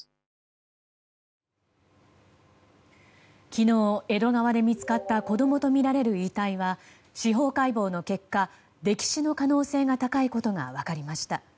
昨日、江戸川で見つかった子供とみられる遺体は司法解剖の結果溺死の可能性が高いことが分かりました。